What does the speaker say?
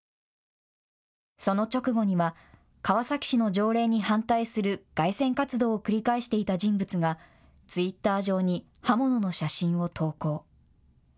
その直後には川崎市の条例に反対する街宣活動を繰り返していた人物がツイッター上に刃物の写真を投稿。